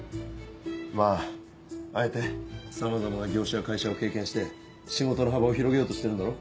まぁあえてさまざまな業種や会社を経験して仕事の幅を広げようとしてるんだろ？